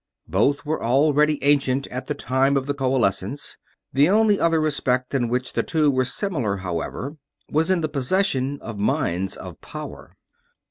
Both were already ancient at the time of the Coalescence. The only other respect in which the two were similar, however, was in the possession of minds of power.